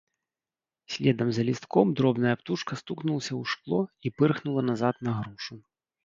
Следам за лістком дробная птушка стукнулася ў шкло і пырхнула назад на грушу.